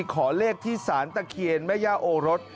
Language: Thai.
ขอเลขที่สารตะเคียนแม่ย่าโอรส